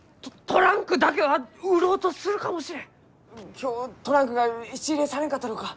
今日トランクが質入れされんかったろうか？